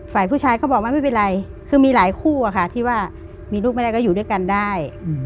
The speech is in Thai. ฝ่ายผู้ชายเขาบอกว่าไม่เป็นไรคือมีหลายคู่อะค่ะที่ว่ามีลูกไม่ได้ก็อยู่ด้วยกันได้